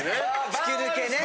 吹き抜けね。